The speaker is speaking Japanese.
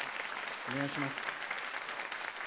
お願いします。